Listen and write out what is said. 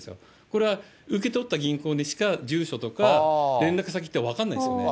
これは受け取った銀行にしか、住所とか連絡先って分からないですよね。